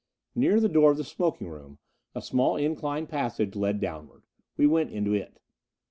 Near the door of the smoking room a small incline passage led downward. We went into it.